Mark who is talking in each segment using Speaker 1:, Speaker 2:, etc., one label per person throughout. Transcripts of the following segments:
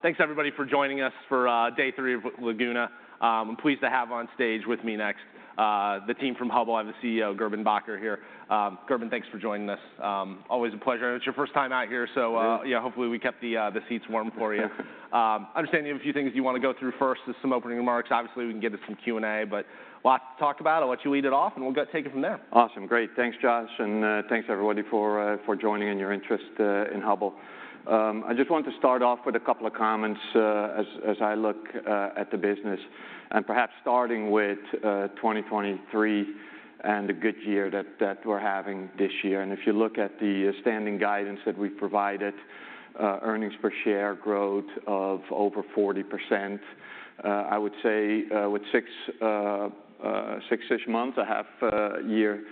Speaker 1: Thanks, everybody, for joining us for day three of Laguna. I'm pleased to have on stage with me next the team from Hubbell. I have the CEO, Gerben Bakker, here. Gerben, thanks for joining us. Always a pleasure, and it's your first time out here, so-
Speaker 2: It is.
Speaker 1: Yeah, hopefully, we kept the seats warm for you. I understand you have a few things you wanna go through first, just some opening remarks. Obviously, we can get into some Q&A, but lots to talk about. I'll let you lead it off, and we'll take it from there.
Speaker 2: Awesome. Great. Thanks, Josh, and thanks, everybody, for joining and your interest in Hubbell. I just want to start off with a couple of comments, as I look at the business, and perhaps starting with 2023, and the good year that we're having this year. And if you look at the standing guidance that we've provided, earnings per share growth of over 40%, I would say, with six-ish months, a half year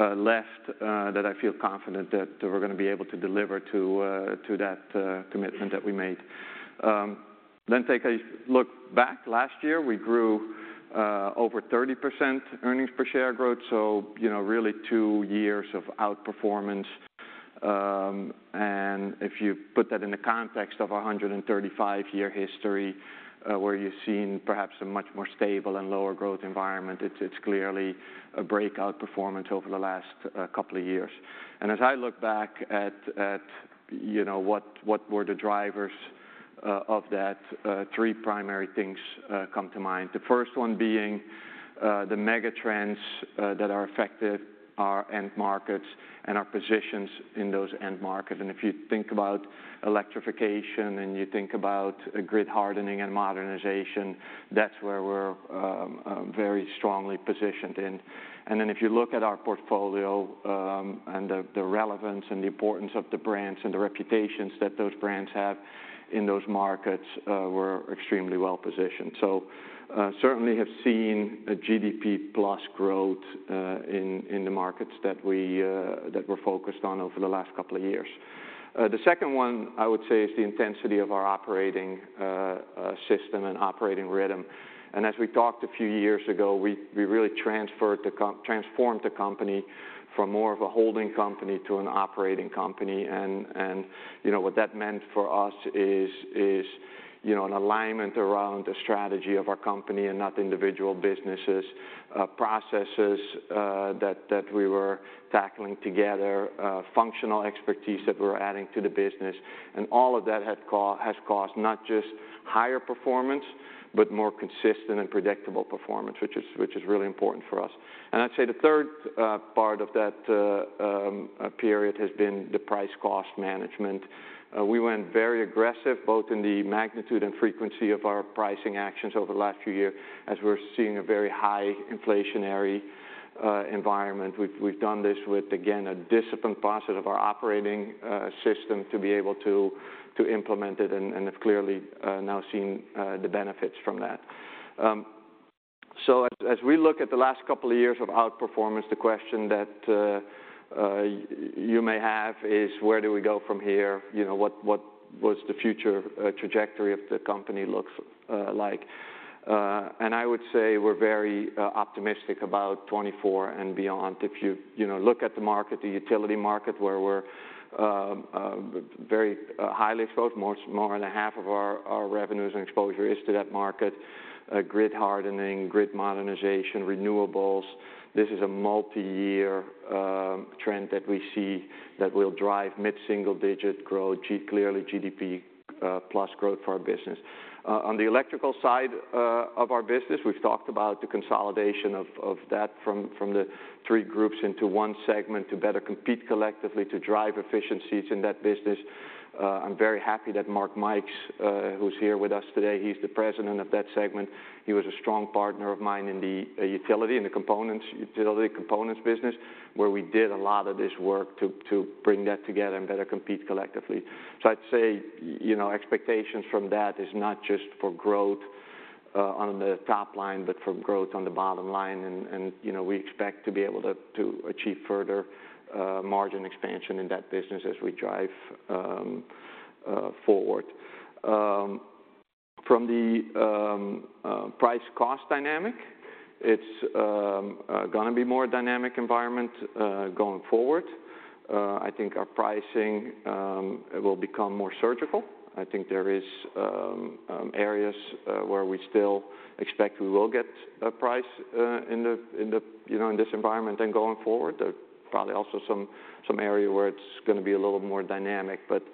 Speaker 2: left, that I feel confident that we're gonna be able to deliver to that commitment that we made. Then take a look back. Last year, we grew over 30% earnings per share growth, so, you know, really two years of outperformance. And if you put that in the context of a 135-year history, where you've seen perhaps a much more stable and lower growth environment, it's clearly a breakout performance over the last couple of years. And as I look back at, you know, what were the drivers of that, three primary things come to mind. The first one being the megatrends that are affecting our end markets and our positions in those end markets. And if you think about electrification, and you think about a grid hardening and modernization, that's where we're very strongly positioned in. And then, if you look at our portfolio, and the relevance and the importance of the brands and the reputations that those brands have in those markets, we're extremely well-positioned. So, certainly have seen a GDP plus growth in the markets that we're focused on over the last couple of years. The second one, I would say, is the intensity of our operating system and operating rhythm. And as we talked a few years ago, we really transformed the company from more of a holding company to an operating company. And, you know, what that meant for us is, you know, an alignment around the strategy of our company and not individual businesses, processes that we were tackling together, functional expertise that we're adding to the business, and all of that has caused not just higher performance, but more consistent and predictable performance, which is really important for us. And I'd say the third part of that period has been the price-cost management. We went very aggressive, both in the magnitude and frequency of our pricing actions over the last few years, as we're seeing a very high inflationary environment. We've done this with, again, a disciplined process of our operating system to be able to implement it and have clearly now seeing the benefits from that. So as we look at the last couple of years of outperformance, the question that you may have is: Where do we go from here? You know, what was the future trajectory of the company looks like? And I would say we're very optimistic about 2024 and beyond. If you, you know, look at the market, the utility market, where we're very highly exposed, more than a half of our revenues and exposure is to that market. Grid hardening, grid modernization, renewables, this is a multiyear trend that we see that will drive mid-single-digit growth, clearly GDP plus growth for our business. On the Electrical side of our business, we've talked about the consolidation of that from the three groups into one segment to better compete collectively, to drive efficiencies in that business. I'm very happy that Mark Mikes, who's here with us today, he's the president of that segment. He was a strong partner of mine in the Utility components business, where we did a lot of this work to bring that together and better compete collectively. So I'd say, you know, expectations from that is not just for growth on the top line, but for growth on the bottom line. And you know, we expect to be able to achieve further margin expansion in that business as we drive forward. From the price-cost dynamic, it's gonna be more dynamic environment going forward. I think our pricing will become more surgical. I think there is areas where we still expect we will get a price in the, you know, in this environment. Going forward, there are probably also some areas where it's gonna be a little more dynamic. But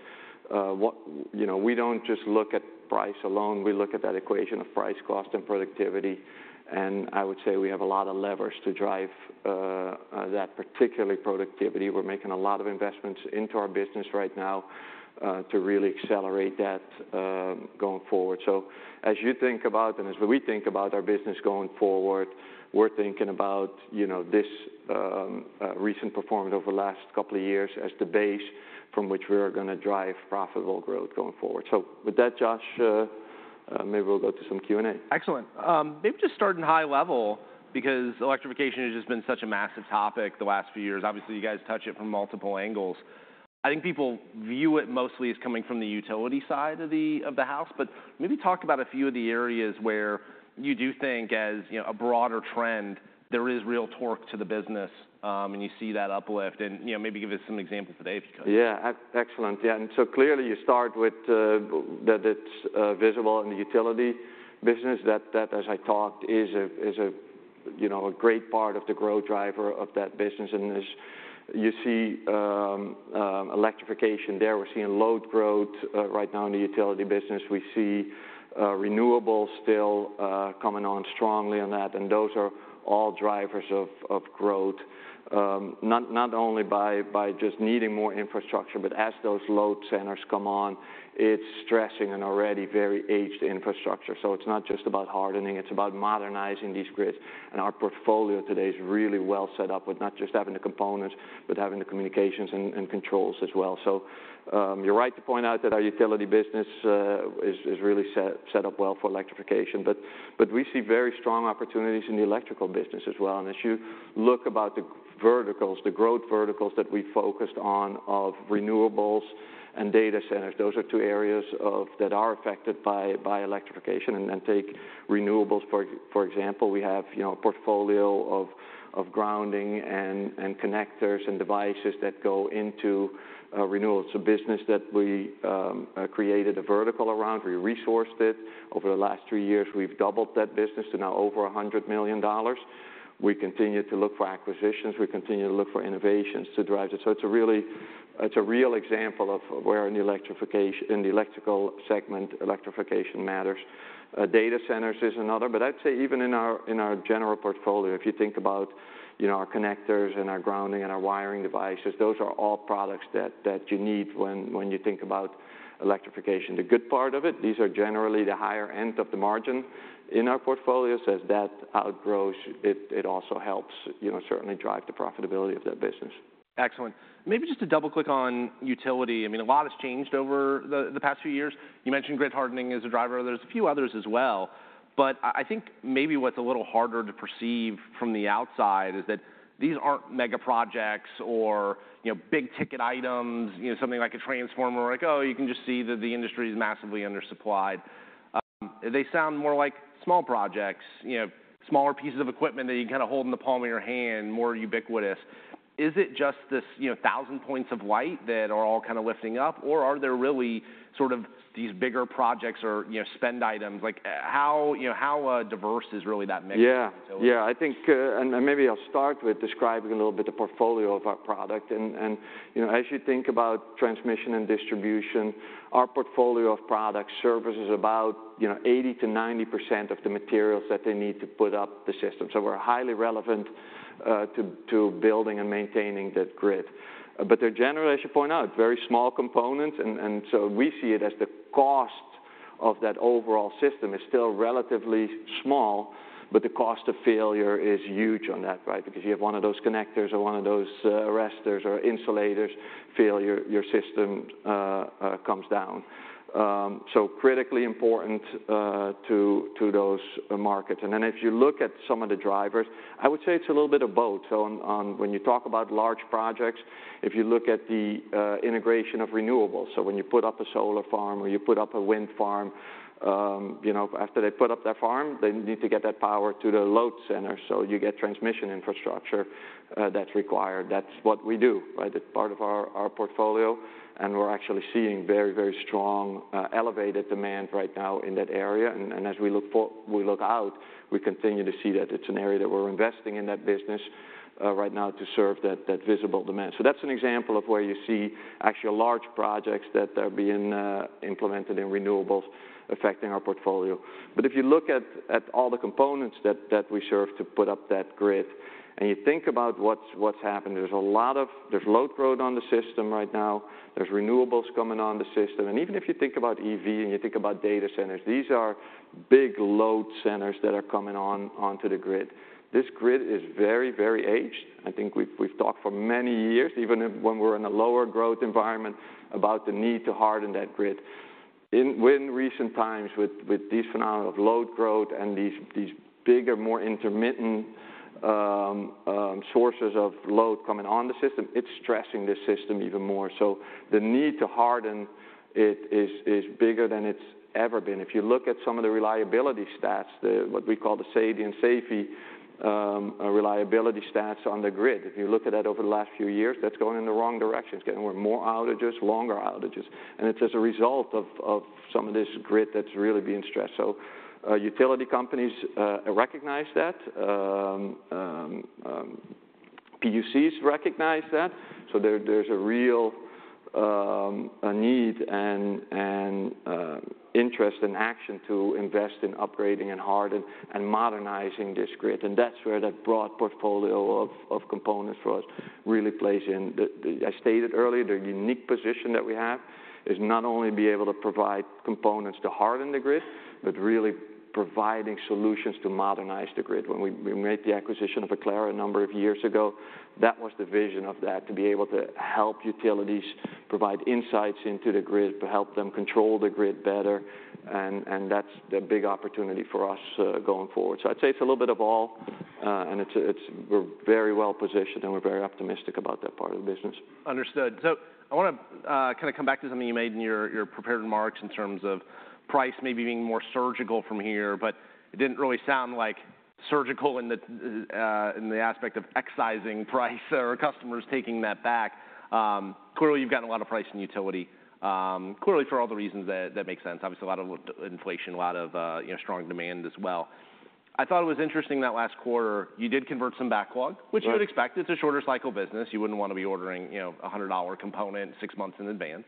Speaker 2: you know, we don't just look at price alone. We look at that equation of price, cost, and productivity, and I would say we have a lot of levers to drive that, particularly productivity. We're making a lot of investments into our business right now to really accelerate that going forward. So as you think about, and as we think about our business going forward, we're thinking about you know this recent performance over the last couple of years as the base from which we are gonna drive profitable growth going forward. So with that, Josh, maybe we'll go to some Q&A.
Speaker 1: Excellent. Maybe just starting high level, because electrification has just been such a massive topic the last few years. Obviously, you guys touch it from multiple angles. I think people view it mostly as coming from the Utility side of the house. But maybe talk about a few of the areas where you do think as, you know, a broader trend, there is real torque to the business, and you see that uplift. And, you know, maybe give us some examples for today, if you could.
Speaker 2: Yeah. Excellent. Yeah, and so clearly, you start with that it's visible in the Utility business, that, as I talked, is, you know, a great part of the growth driver of that business. And as you see, electrification there, we're seeing load growth right now in the Utility business. We see renewables still coming on strongly on that, and those are all drivers of growth. Not only by just needing more infrastructure, but as those load centers come on, it's stressing an already very aged infrastructure. So it's not just about hardening, it's about modernizing these grids. And our portfolio today is really well set up with not just having the components, but having the communications and controls as well. So, you're right to point out that our Utility business is really set up well for electrification, but we see very strong opportunities in the Electrical business as well. And as you look about the verticals, the growth verticals that we focused on of renewables and data centers, those are two areas that are affected by electrification. And then take renewables, for example, we have, you know, a portfolio of grounding and connectors and devices that go into renewables. It's a business that we created a vertical around. We resourced it. Over the last three years, we've doubled that business to now over $100 million. We continue to look for acquisitions, we continue to look for innovations to drive it. So it's a really—it's a real example of where in the electrification in the Electrical segment, electrification matters. Data centers is another, but I'd say even in our, in our general portfolio, if you think about, you know, our connectors and our grounding and our wiring devices, those are all products that, that you need when, when you think about electrification. The good part of it, these are generally the higher end of the margin in our portfolio. So as that outgrows, it, it also helps, you know, certainly drive the profitability of that business.
Speaker 1: Excellent. Maybe just to double-click on Utility, I mean, a lot has changed over the past few years. You mentioned grid hardening as a driver, there's a few others as well. But I think maybe what's a little harder to perceive from the outside is that these aren't mega projects or, you know, big-ticket items, you know, something like a transformer, like, oh, you can just see that the industry is massively undersupplied. They sound more like small projects, you know, smaller pieces of equipment that you kind of hold in the palm of your hand, more ubiquitous. Is it just this, you know, thousand points of light that are all kind of lifting up? Or are there really sort of these bigger projects or, you know, spend items? Like, how, you know, how diverse is really that mix?
Speaker 2: Yeah. Yeah, I think... And maybe I'll start with describing a little bit the portfolio of our product. And, you know, as you think about transmission and distribution, our portfolio of products serves about, you know, 80%-90% of the materials that they need to put up the system. So we're highly relevant to building and maintaining that grid. But they're generally, I should point out, very small components, and so we see it as the cost of that overall system is still relatively small, but the cost of failure is huge on that, right? Because you have one of those connectors or one of those arresters or insulators fail, your system comes down. So critically important to those markets. And then if you look at some of the drivers, I would say it's a little bit of both. So on when you talk about large projects, if you look at the integration of renewables, so when you put up a solar farm or you put up a wind farm, you know, after they put up that farm, they need to get that power to the load center, so you get transmission infrastructure that's required. That's what we do, right? That's part of our portfolio, and we're actually seeing very, very strong elevated demand right now in that area. And as we look out, we continue to see that it's an area that we're investing in that business right now to serve that visible demand. So that's an example of where you see actually large projects that are being implemented in renewables affecting our portfolio. But if you look at all the components that we serve to put up that grid, and you think about what's happened, there's load growth on the system right now, there's renewables coming on the system. And even if you think about EV, and you think about data centers, these are big load centers that are coming onto the grid. This grid is very, very aged. I think we've talked for many years, even if when we're in a lower growth environment, about the need to harden that grid. Within recent times, with this phenomenon of load growth and these bigger, more intermittent sources of load coming on the system, it's stressing the system even more. So the need to harden it is bigger than it's ever been. If you look at some of the reliability stats, what we call the SAIDI and SAIFI, reliability stats on the grid. If you look at that over the last few years, that's going in the wrong direction. It's getting more outages, longer outages, and it's as a result of some of this grid that's really being stressed. So utility companies recognize that, PUCs recognize that. So there's a real need and interest and action to invest in upgrading and hardening and modernizing this grid, and that's where that broad portfolio of components for us really plays in. I stated earlier, the unique position that we have is not only be able to provide components to harden the grid, but really providing solutions to modernize the grid. When we made the acquisition of Aclara a number of years ago, that was the vision of that, to be able to help utilities provide insights into the grid, to help them control the grid better, and that's the big opportunity for us going forward. So I'd say it's a little bit of all, and it's we're very well positioned, and we're very optimistic about that part of the business.
Speaker 1: Understood. So I wanna kind of come back to something you made in your, your prepared remarks in terms of price maybe being more surgical from here, but it didn't really sound like surgical in the, in the aspect of excising price or customers taking that back. Clearly, you've gotten a lot of price in Utility, clearly for all the reasons that, that makes sense. Obviously, a lot of inflation, a lot of, you know, strong demand as well.... I thought it was interesting that last quarter, you did convert some backlog-
Speaker 2: Right.
Speaker 1: -which you would expect. It's a shorter cycle business. You wouldn't want to be ordering, you know, a $100 component six months in advance.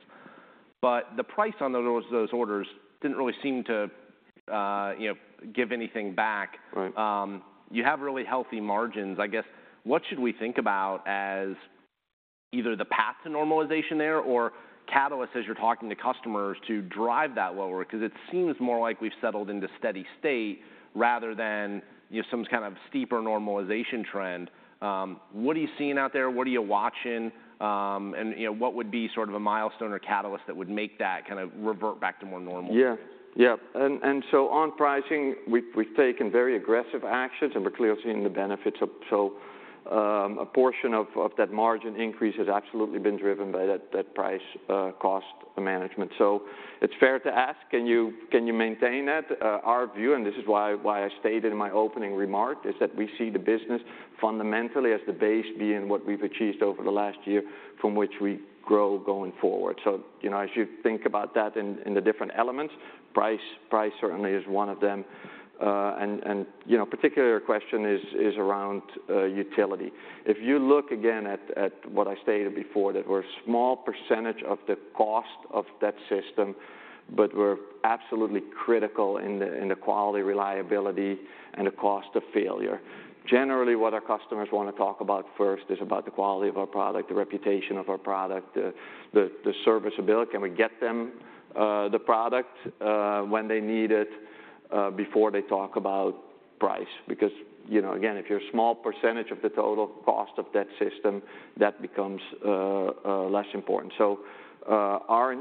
Speaker 1: But the price on those, those orders didn't really seem to, you know, give anything back.
Speaker 2: Right.
Speaker 1: You have really healthy margins. I guess, what should we think about as either the path to normalization there or catalysts as you're talking to customers to drive that lower? Because it seems more like we've settled into steady state rather than, you know, some kind of steeper normalization trend. What are you seeing out there? What are you watching? And, you know, what would be sort of a milestone or catalyst that would make that kind of revert back to more normal?
Speaker 2: So on pricing, we've taken very aggressive actions, and we're clearly seeing the benefits of... So, a portion of that margin increase has absolutely been driven by that price cost management. So it's fair to ask, can you maintain that? Our view, and this is why I stated in my opening remark, is that we see the business fundamentally as the base being what we've achieved over the last year from which we grow going forward. So, you know, as you think about that in the different elements, price certainly is one of them. And, you know, particular question is around Utility. If you look again at what I stated before, that we're a small percentage of the cost of that system, but we're absolutely critical in the quality, reliability, and the cost of failure. Generally, what our customers want to talk about first is about the quality of our product, the reputation of our product, the serviceability, can we get them the product when they need it before they talk about price. Because, you know, again, if you're a small percentage of the total cost of that system, that becomes less important. So, our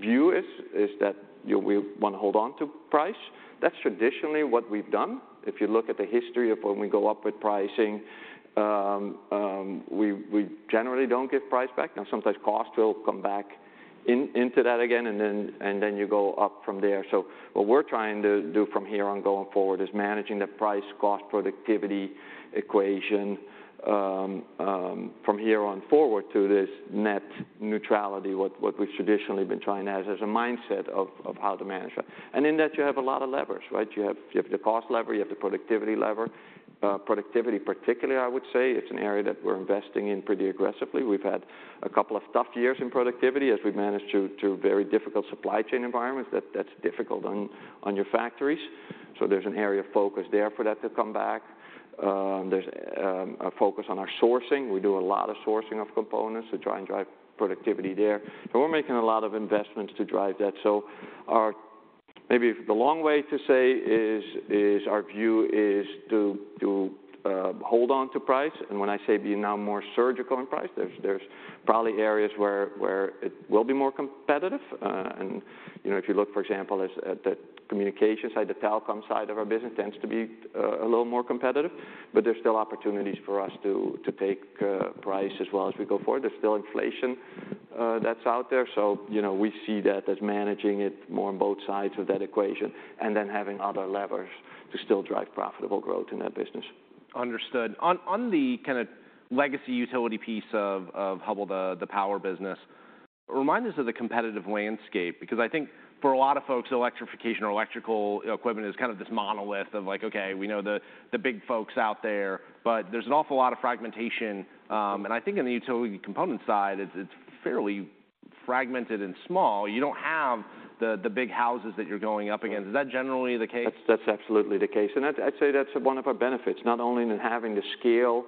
Speaker 2: view is that we want to hold on to price. That's traditionally what we've done. If you look at the history of when we go up with pricing, we generally don't give price back. Now, sometimes cost will come back into that again, and then you go up from there. So what we're trying to do from here on going forward is managing the price, cost, productivity equation, from here on forward to this net neutrality, what we've traditionally been trying as a mindset of how to manage that. And in that, you have a lot of levers, right? You have the cost lever, you have the productivity lever. Productivity, particularly, I would say, it's an area that we're investing in pretty aggressively. We've had a couple of tough years in productivity as we managed through very difficult supply chain environments. That's difficult on your factories. So there's an area of focus there for that to come back. There's a focus on our sourcing. We do a lot of sourcing of components to try and drive productivity there. So we're making a lot of investments to drive that. Maybe the long way to say is our view is to hold on to price, and when I say be now more surgical in price, there's probably areas where it will be more competitive. And you know, if you look, for example, at the communication side, the telecom side of our business tends to be a little more competitive, but there's still opportunities for us to take price as well as we go forward. There's still inflation that's out there, so you know, we see that as managing it more on both sides of that equation, and then having other levers to still drive profitable growth in that business.
Speaker 1: Understood. On the kind of legacy Utility piece of Hubbell, the power business, remind us of the competitive landscape, because I think for a lot of folks, electrification or electrical equipment is kind of this monolith of like, okay, we know the big folks out there, but there's an awful lot of fragmentation. I think in the Utility component side, it's fairly fragmented and small. You don't have the big houses that you're going up against. Is that generally the case?
Speaker 2: That's, that's absolutely the case. And I'd, I'd say that's one of our benefits, not only in having the scale,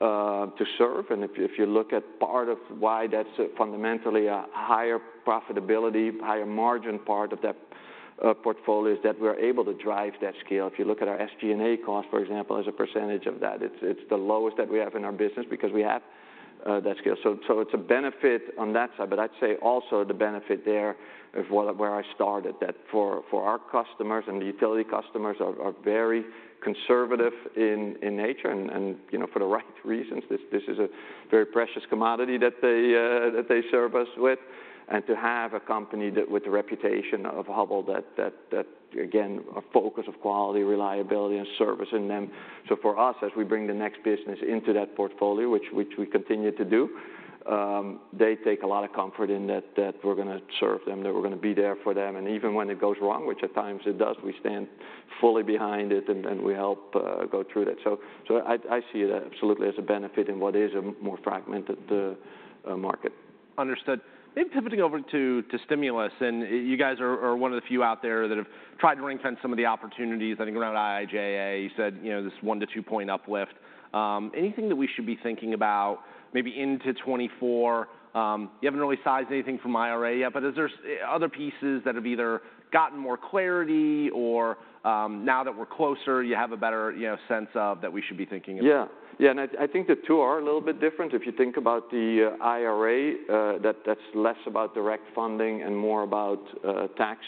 Speaker 2: to serve, and if you, if you look at part of why that's fundamentally a higher profitability, higher margin part of that, portfolio, is that we're able to drive that scale. If you look at our SG&A cost, for example, as a percentage of that, it's, it's the lowest that we have in our business because we have, that scale. So, so it's a benefit on that side. But I'd say also the benefit there of where, where I started, that for, for our customers and the Utility customers are, are very conservative in, in nature and, and, you know, for the right reasons. This, this is a very precious commodity that they, that they serve us with. And to have a company that with the reputation of Hubbell, again, a focus of quality, reliability, and service in them. So for us, as we bring the next business into that portfolio, which we continue to do, they take a lot of comfort in that, that we're gonna serve them, that we're gonna be there for them. And even when it goes wrong, which at times it does, we stand fully behind it, and we help go through that. So I see that absolutely as a benefit in what is a more fragmented market.
Speaker 1: Understood. Maybe pivoting over to stimulus, and you guys are one of the few out there that have tried to ring fence some of the opportunities. I think around IIJA, you said, you know, this 1-2 point uplift. Anything that we should be thinking about maybe into 2024? You haven't really sized anything from IRA yet, but is there other pieces that have either gotten more clarity or, now that we're closer, you have a better, you know, sense of that we should be thinking about?
Speaker 2: Yeah. Yeah, and I think the two are a little bit different. If you think about the IRA, that's less about direct funding and more about tax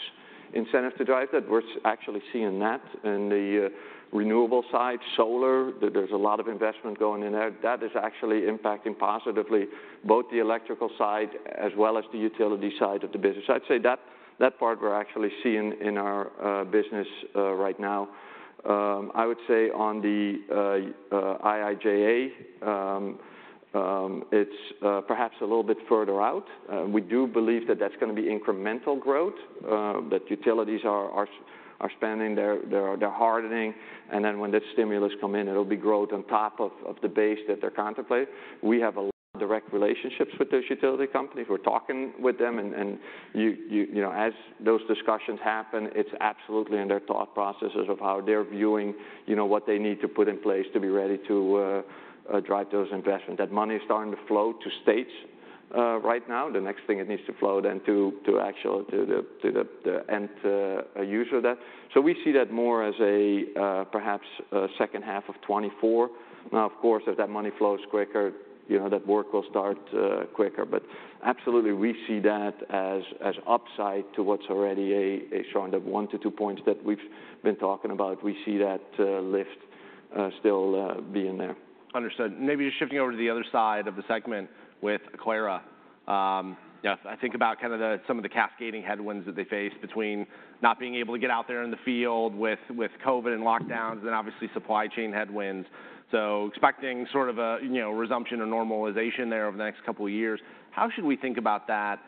Speaker 2: incentives to drive that. We're actually seeing that in the renewable side, solar, there's a lot of investment going in there. That is actually impacting positively, both the Electrical side as well as the Utility side of the business. I'd say that part we're actually seeing in our business right now. I would say on the IIJA, it's perhaps a little bit further out. We do believe that that's gonna be incremental growth, that utilities are spending their- they're hardening, and then when that stimulus come in, it'll be growth on top of the base that they're contemplating. We have a lot of direct relationships with those utility companies. We're talking with them. You know, as those discussions happen, it's absolutely in their thought processes of how they're viewing, you know, what they need to put in place to be ready to drive those investments. That money is starting to flow to states right now. The next thing, it needs to flow then to the end user of that. So we see that more as perhaps a second half of 2024. Now, of course, if that money flows quicker, you know, that work will start quicker. But absolutely, we see that as upside to what's already a showing of 1-2 points that we've been talking about. We see that lift still being there.
Speaker 1: Understood. Maybe just shifting over to the other side of the segment with Aclara. Yeah, I think about kind of the, some of the cascading headwinds that they face between not being able to get out there in the field with COVID and lockdowns, and obviously, supply chain headwinds. So expecting sort of a, you know, resumption or normalization there over the next couple of years. How should we think about that,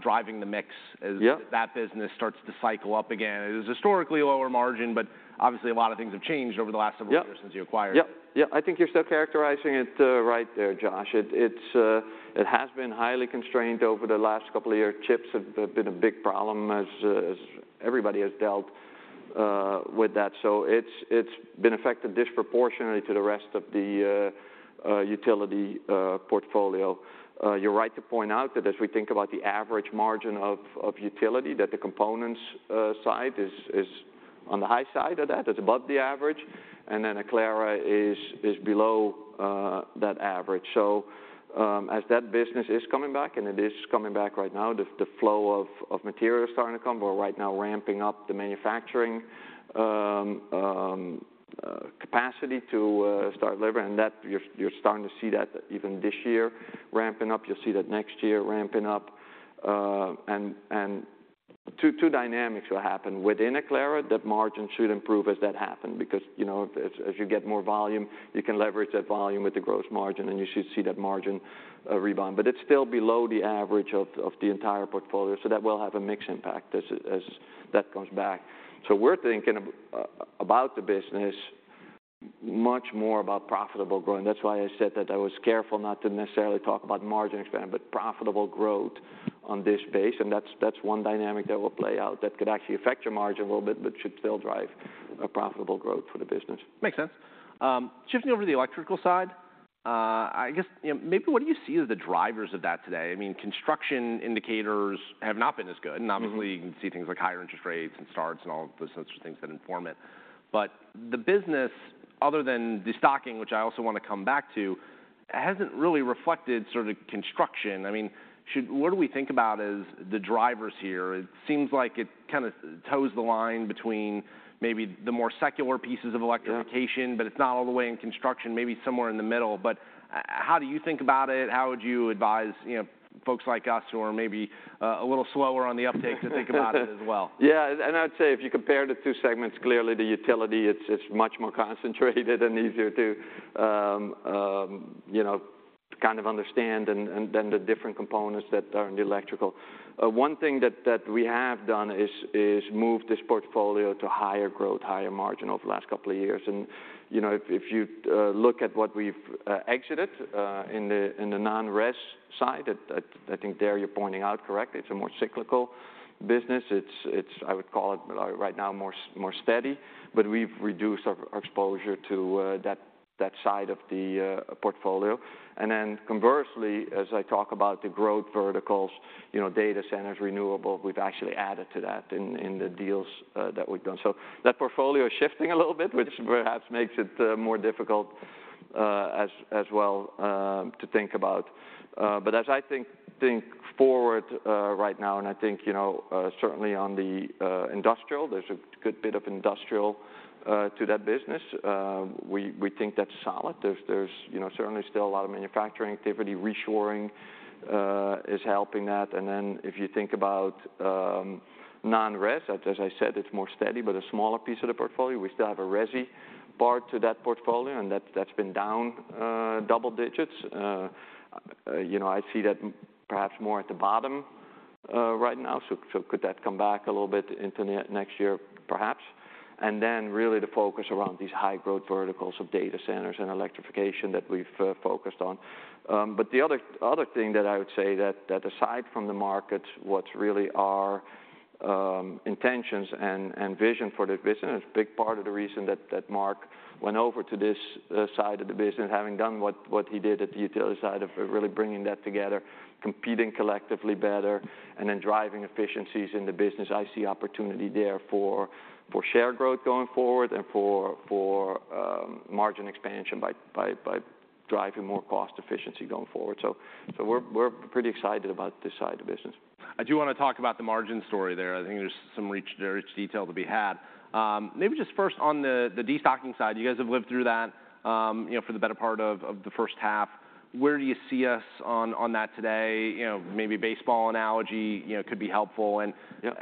Speaker 1: driving the mix-
Speaker 2: Yeah...
Speaker 1: as that business starts to cycle up again? It was historically lower margin, but obviously, a lot of things have changed over the last several years-
Speaker 2: Yeah
Speaker 1: since you acquired it.
Speaker 2: Yeah. Yeah, I think you're still characterizing it right there, Josh. It, it's... It has been highly constrained over the last couple of years. Chips have, have been a big problem as, as everybody has dealt with that. So it's, it's been affected disproportionately to the rest of the Utility portfolio. You're right to point out that as we think about the average margin of Utility, that the components side is, is on the high side of that. It's above the average, and then Aclara is, is below that average. So, as that business is coming back, and it is coming back right now, the flow of material is starting to come. We're right now ramping up the manufacturing capacity to start delivery, and that, you're starting to see that even this year ramping up. You'll see that next year ramping up. And two dynamics will happen. Within Aclara, that margin should improve as that happen because, you know, as you get more volume, you can leverage that volume with the gross margin, and you should see that margin rebound. But it's still below the average of the entire portfolio, so that will have a mix impact as that comes back. So we're thinking about the business much more about profitable growth, and that's why I said that I was careful not to necessarily talk about margin expansion, but profitable growth on this base, and that's, that's one dynamic that will play out, that could actually affect your margin a little bit, but should still drive a profitable growth for the business.
Speaker 1: Makes sense. Shifting over to the Electrical side, I guess, you know, maybe what do you see as the drivers of that today? I mean, construction indicators have not been as good.
Speaker 2: Mm-hmm.
Speaker 1: Obviously, you can see things like higher interest rates and starts and all of those sorts of things that inform it. But the business, other than the stocking, which I also want to come back to, hasn't really reflected sort of construction. I mean, should what do we think about as the drivers here? It seems like it kind of toes the line between maybe the more secular pieces of electrification.
Speaker 2: Yeah...
Speaker 1: but it's not all the way in construction, maybe somewhere in the middle. But how do you think about it? How would you advise, you know, folks like us who are maybe, a little slower on the uptake-... to think about it as well?
Speaker 2: Yeah, and I'd say if you compare the two segments, clearly the Utility, it's much more concentrated and easier to, you know, kind of understand than the different components that are in the Electrical. One thing that we have done is move this portfolio to higher growth, higher margin over the last couple of years. And, you know, if you look at what we've exited in the non-res side, I think there you're pointing out correctly, it's a more cyclical business. It's—I would call it, right now, more steady, but we've reduced our exposure to that side of the portfolio. Conversely, as I talk about the growth verticals, you know, data centers, renewable, we've actually added to that in the deals that we've done. So that portfolio is shifting a little bit, which perhaps makes it more difficult as well to think about. But as I think forward, right now, and I think, you know, certainly on the industrial, there's a good bit of industrial to that business, we think that's solid. There's you know certainly still a lot of manufacturing activity. Reshoring is helping that. And then if you think about non-res, as I said, it's more steady, but a smaller piece of the portfolio. We still have a resi part to that portfolio, and that's been down double digits. You know, I see that perhaps more at the bottom, right now. So could that come back a little bit into next year? Perhaps. And then really the focus around these high-growth verticals of data centers and electrification that we've focused on. But the other thing that I would say that aside from the markets, what's really our intentions and vision for the business, a big part of the reason that Mark went over to this side of the business, having done what he did at the Utility side, of really bringing that together, competing collectively better, and then driving efficiencies in the business. I see opportunity there for share growth going forward and for margin expansion by driving more cost efficiency going forward. So, we're pretty excited about this side of the business.
Speaker 1: I do wanna talk about the margin story there. I think there's some rich, rich detail to be had. Maybe just first on the destocking side, you guys have lived through that, you know, for the better part of the first half.... Where do you see us on that today? You know, maybe a baseball analogy, you know, could be helpful. And-
Speaker 2: Yeah.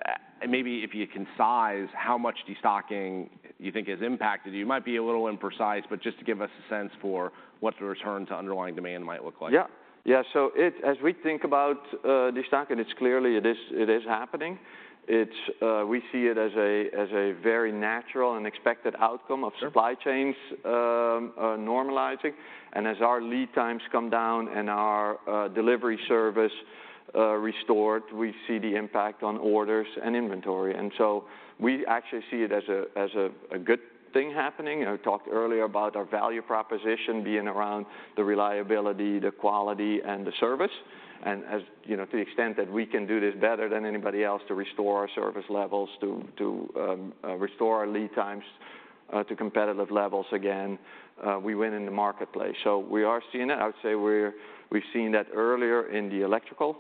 Speaker 1: and maybe if you can size how much destocking you think has impacted you. You might be a little imprecise, but just to give us a sense for what the return to underlying demand might look like.
Speaker 2: Yeah. Yeah, so it as we think about, destocking, it's clearly it is, it is happening. It's, we see it as a, as a very natural and expected outcome-
Speaker 1: Sure
Speaker 2: -of supply chains, normalizing. And as our lead times come down and our, delivery service, restored, we see the impact on orders and inventory. And so we actually see it as a good thing happening. You know, I talked earlier about our value proposition being around the reliability, the quality, and the service. And as, you know, to the extent that we can do this better than anybody else to restore our service levels, to restore our lead times, to competitive levels again, we win in the marketplace. So we are seeing it. I would say we've seen that earlier in the Electrical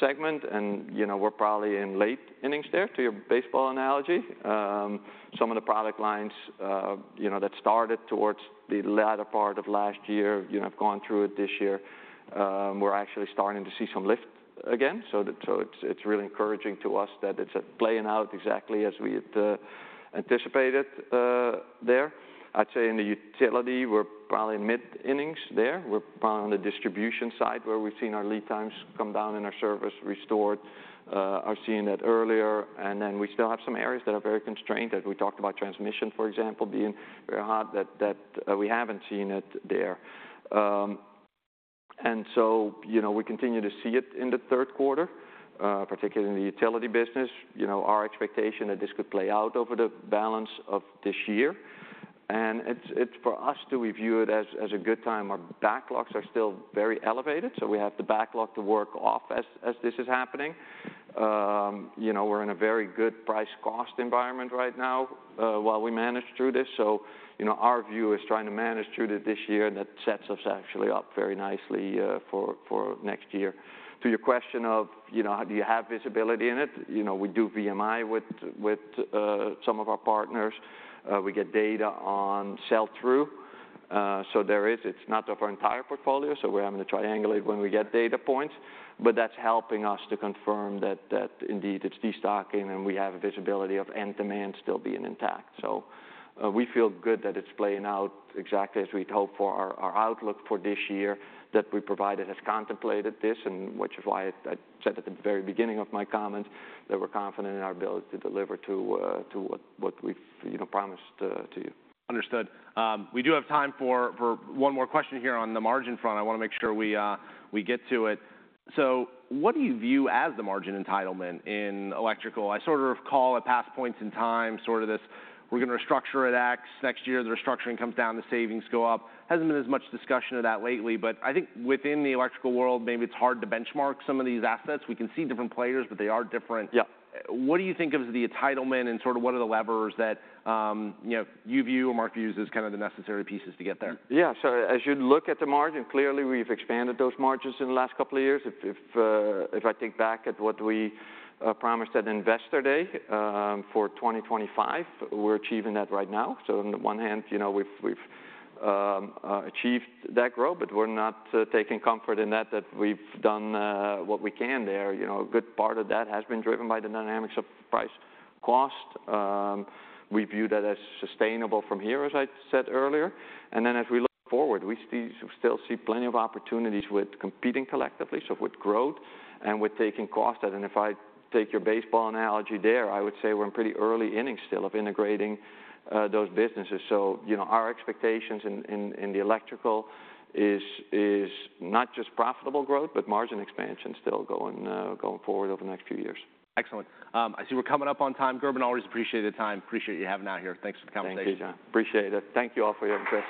Speaker 2: segment, and, you know, we're probably in late innings there, to your baseball analogy. Some of the product lines, you know, that started towards the latter part of last year, you know, have gone through it this year. We're actually starting to see some lift again. So it's really encouraging to us that it's playing out exactly as we had anticipated there. I'd say in the Utility, we're probably mid-innings there. We're probably on the distribution side, where we've seen our lead times come down and our service restored, are seeing that earlier. And then we still have some areas that are very constrained, as we talked about transmission, for example, being very hard, we haven't seen it there. And so, you know, we continue to see it in the third quarter, particularly in the Utility business. You know, our expectation that this could play out over the balance of this year, and it's for us too, we view it as a good time. Our backlogs are still very elevated, so we have the backlog to work off as this is happening. You know, we're in a very good price-cost environment right now while we manage through this. So, you know, our view is trying to manage through this year, and that sets us actually up very nicely for next year. To your question of, you know, do you have visibility in it? You know, we do VMI with some of our partners. We get data on sell-through. So there is... It's not of our entire portfolio, so we're having to triangulate when we get data points, but that's helping us to confirm that, that indeed it's destocking, and we have a visibility of end demand still being intact. So, we feel good that it's playing out exactly as we'd hoped for. Our, our outlook for this year that we provided has contemplated this, and which is why I, I said at the very beginning of my comments that we're confident in our ability to deliver to, to what, what we've, you know, promised, to you.
Speaker 1: Understood. We do have time for one more question here on the margin front. I wanna make sure we get to it. So what do you view as the margin entitlement in Electrical? I sort of recall at past points in time, sort of this, "We're gonna restructure it X next year. The restructuring comes down, the savings go up." Hasn't been as much discussion of that lately, but I think within the electrical world, maybe it's hard to benchmark some of these assets. We can see different players, but they are different.
Speaker 2: Yeah.
Speaker 1: What do you think of the entitlement and sort of what are the levers that, you know, you view or market view as kind of the necessary pieces to get there?
Speaker 2: Yeah. So as you look at the margin, clearly we've expanded those margins in the last couple of years. If I think back at what we promised at Investor Day for 2025, we're achieving that right now. So on the one hand, you know, we've achieved that growth, but we're not taking comfort in that that we've done what we can there. You know, a good part of that has been driven by the dynamics of price cost. We view that as sustainable from here, as I said earlier. And then as we look forward, we still see plenty of opportunities with competing collectively, so with growth and with taking cost out. And if I take your baseball analogy there, I would say we're in pretty early innings still of integrating those businesses. So, you know, our expectations in the Electrical is not just profitable growth, but margin expansion still going forward over the next few years.
Speaker 1: Excellent. I see we're coming up on time. Gerben, always appreciate the time. Appreciate you having out here. Thanks for the conversation.
Speaker 2: Thank you, John. Appreciate it. Thank you all for your interest.